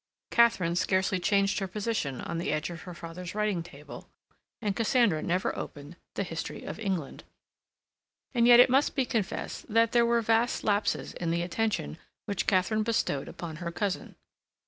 Katharine scarcely changed her position on the edge of her father's writing table, and Cassandra never opened the "History of England." And yet it must be confessed that there were vast lapses in the attention which Katharine bestowed upon her cousin.